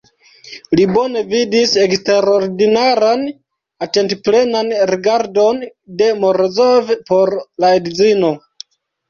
Li bone vidis eksterordinaran, atentplenan rigardon de Morozov por la edzino.